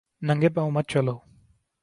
ننگے پاؤں مت چلو